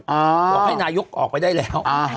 อ๋อแล้วให้นายยกออกไปได้แล้ว